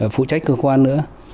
phụ trách cơ quan nữa